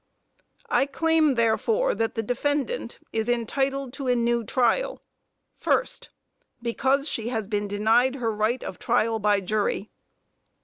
I claim therefore that the defendant is entitled to a new trial. First Because she has been denied her right of trial by jury.